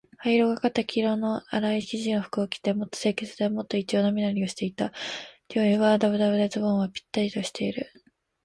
灰色がかった黄色のあらい生地の服を着て、もっと清潔で、もっと一様な身なりをしていた。上衣はだぶだぶで、ズボンはぴったりしている。